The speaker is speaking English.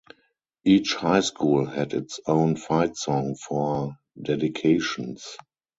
Each high school had its own "fight" song for dedications.